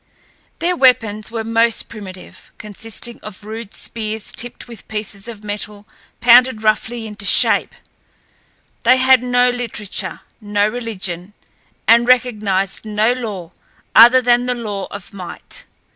Their weapons were most primitive, consisting of rude spears tipped with pieces of metal pounded roughly into shape. They had no literature, no religion, and recognized no law other than the law of might.